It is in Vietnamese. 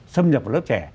xâm nhập vào lớp trẻ